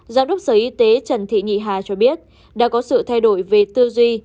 giám đốc sở y tế trần thị nhị hà cho biết đã có sự thay đổi về tư duy